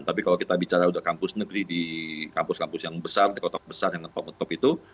tapi kalau kita bicara kampus kampus yang besar di kota besar yang ngetop ngetop itu